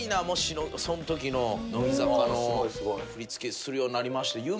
もしそんときの乃木坂を振り付けするようになりました。